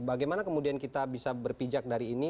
bagaimana kemudian kita bisa berpijak dari ini